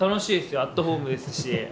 アットホームですし。